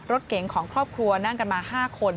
รถเก๋งของครอบครัวนั่งกันมา๕คน